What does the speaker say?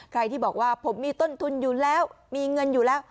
ใครที่บอกว่าผมมีต้นทุนอยู่แล้วมีเงินอยู่แล้ว